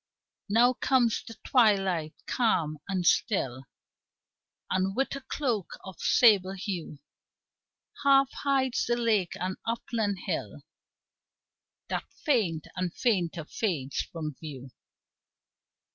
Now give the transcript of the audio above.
Now comes the twilight, calm and still, And, with a cloak of sable hue, Half hides the lake and upland hill That faint and fainter fades from view.